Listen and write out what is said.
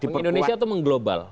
meng indonesia atau meng global